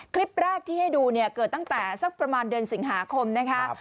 คลิปแรกที่ให้ดูเนี่ยเกิดตั้งแต่สักประมาณเดือนสิงหาคมนะคะ